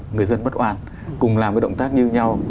người dân bất oàn cùng làm cái động tác như nhau